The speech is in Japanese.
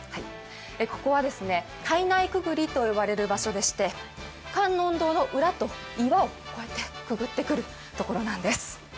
ここは胎内くぐりと呼ばれる場所でして観音堂の裏と岩を越えてくぐってくる所なんです。